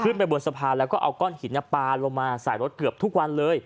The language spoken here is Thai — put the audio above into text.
ไปบนสะพานแล้วก็เอาก้อนหินปลาลงมาใส่รถเกือบทุกวันเลย